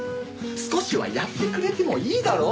少しはやってくれてもいいだろ？